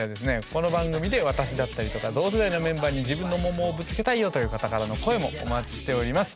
この番組で私だったりとか同世代のメンバーに自分のモンモンをぶつけたいよという方からの声もお待ちしております。